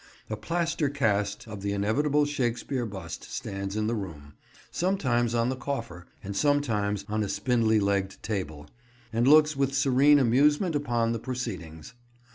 A plaster cast of the inevitable Shakespeare bust stands in the room, sometimes on the coffer, and sometimes on a spindly legged table, and looks with serene amusement upon the proceedings.